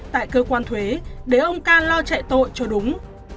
tại cơ quan thuế để ông ca lo chạy tội cho đúng